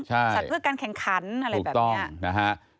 ใช่ถูกต้องสัตว์เพื่อการแข่งขันอะไรแบบนี้